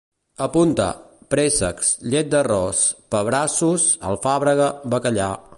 Apunta: préssecs, llet d'arròs, pebrassos, alfàbega, bacallà